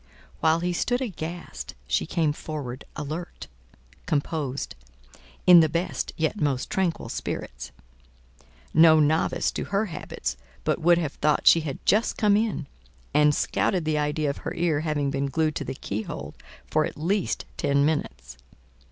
While he stood aghast, she came forward alert, composed, in the best yet most tranquil spirits: no novice to her habits but would have thought she had just come in, and scouted the idea of her ear having been glued to the key hole for at least ten minutes.